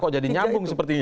kok jadi nyambung sepertinya